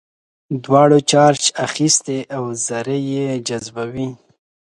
دواړو چارج اخیستی او ذرې جذبوي.